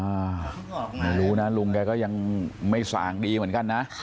ไม่รู้นะลุงแกก็ยังไม่ส่างดีเหมือนกันนะ